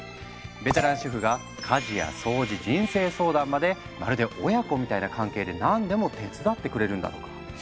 ベテラン主婦が家事や掃除人生相談までまるで親子みたいな関係で何でも手伝ってくれるんだとか。